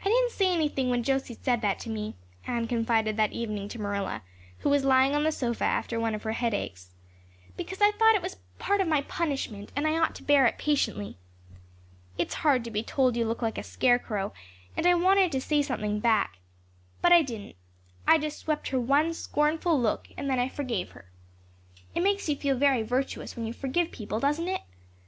"I didn't say anything when Josie said that to me," Anne confided that evening to Marilla, who was lying on the sofa after one of her headaches, "because I thought it was part of my punishment and I ought to bear it patiently. It's hard to be told you look like a scarecrow and I wanted to say something back. But I didn't. I just swept her one scornful look and then I forgave her. It makes you feel very virtuous when you forgive people, doesn't it?